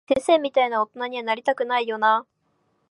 先生みたいな大人には、なりたくないよなぁ。